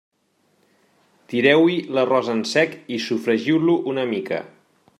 Tireu-hi l'arròs en sec i sofregiu-lo una mica.